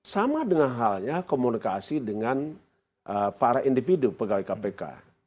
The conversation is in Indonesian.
sama dengan halnya komunikasi dengan para individu pegawai kpk